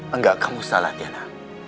enggak kamu salah tiana